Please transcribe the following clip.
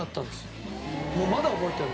もうまだ覚えてる。